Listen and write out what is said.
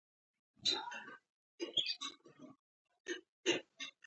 لوبې څه ګټه لري باید ځواب شي.